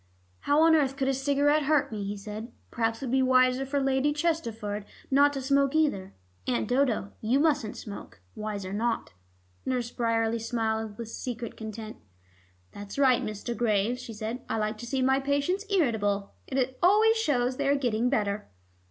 "How on earth could a cigarette hurt me?" he said. "Perhaps it would be wiser for Lady Chesterford not to smoke either. Aunt Dodo, you mustn't smoke. Wiser not." Nurse Bryerley smiled with secret content. "That's right, Mr. Graves," she said. "I like to see my patients irritable. It always shows they are getting better."